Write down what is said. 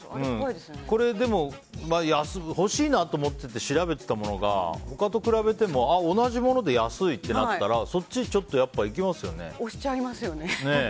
でも、欲しいなと思ってて調べてたものが他と比べても同じもので安いってなったら押しちゃいますよね。